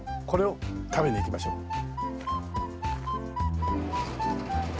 これを食べに行きましょう。